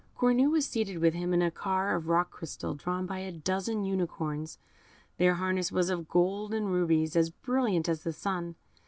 Cornue was seated with him in a car of rock crystal, drawn by a dozen unicorns; their harness was of gold and rubies, as brilliant as the sun.